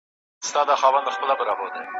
ښکلي آواز دي زما سړو وینو ته اور ورکړی